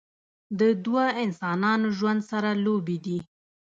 د دوه انسانانو ژوند سره لوبې دي